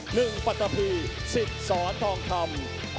หนึ่งปัตตะพีสิทธิ์สอนทองคำ